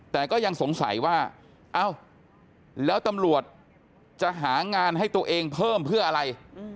แต่ก็ยังสงสัยว่าเอ้าแล้วตำรวจจะหางานให้ตัวเองเพิ่มเพื่ออะไร